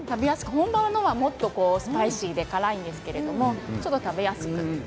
本場のものはもっとスパイシーで辛いんですけどちょっと食べやすく。